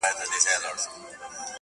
یو څو غمازي سترګي مي لیدلي دي په شپه کي-